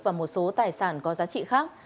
và một số tài sản có giá trị khác